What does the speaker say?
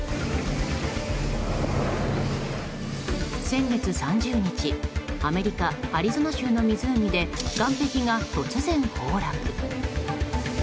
先月３０日アメリカ・アリゾナ州の湖で岸壁が突然崩落。